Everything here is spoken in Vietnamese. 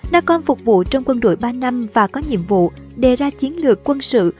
nacom phục vụ trong quân đội ba năm và có nhiệm vụ đề ra chiến lược quân sự